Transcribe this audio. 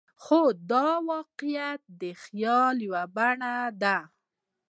خو دا واقعیت د خیال یوه بڼه ده.